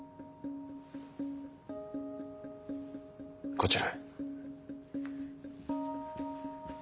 こちらへ。